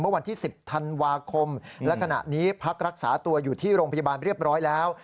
วันที่๑๐ธันวาคมและขณะนี้พักรักษาตัวอยู่ที่โรงพยาบาลเรียบร้อยแล้ว